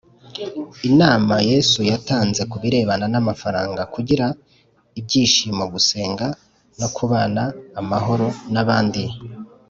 inama Yesu yatanze ku birebana n amafaranga kugira ibyishimo gusenga no kubana amahoro n abandi